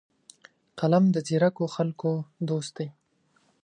قلم د ځیرکو خلکو دوست دی